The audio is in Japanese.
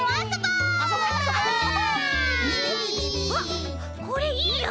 うわっこれいいよ。